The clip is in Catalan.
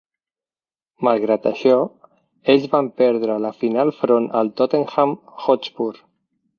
Malgrat això, ells van perdre la final front al Tottenham Hotspur.